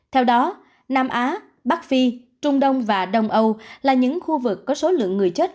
theo đó nam á bắc phi trung đông và đông âu là những khu vực có số lượng người chết